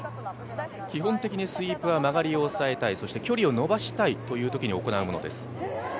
基本的にスイープは曲がりを抑えたいそして距離を伸ばしたいというときに行うものです。